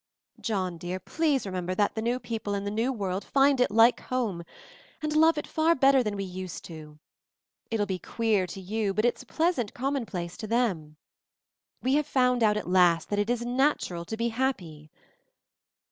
John, dear, please remember that the new people in the new world find it 'like home' and love it far better than we used to. It'll be queer to you, but it's a pleasant commonplace to them. We have found out at last that it is natural to be happy."